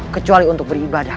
kecuali untuk beribadah